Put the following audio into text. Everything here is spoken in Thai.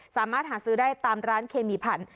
สามารถหาซื้อได้ตามร้านเคมีพันธุ